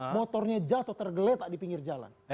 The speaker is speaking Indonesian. motornya jatuh tergeletak di pinggir jalan